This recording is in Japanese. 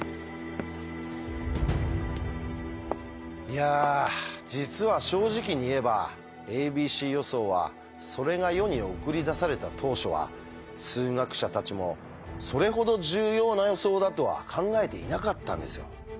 いや実は正直に言えば「ａｂｃ予想」はそれが世に送り出された当初は数学者たちもそれほど重要な予想だとは考えていなかったんですよ。